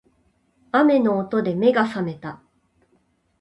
雨の音で目が覚めた